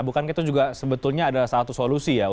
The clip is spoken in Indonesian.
bukankah itu juga sebetulnya ada satu solusi ya untuk peserta didik